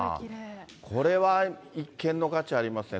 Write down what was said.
これは一見の価値ありますね。